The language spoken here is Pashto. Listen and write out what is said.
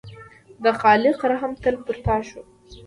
د خالق رحم تل پر تا شو.